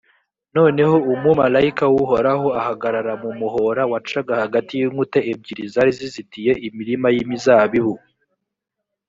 noneho, umumalayika w’uhoraho ahagarara mu muhora wacaga hagati y’inkuta ebyiri zari zizitiye imirima y’imizabibu.